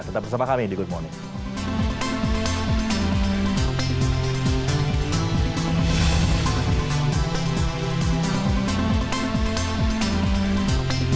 tetap bersama kami di good morning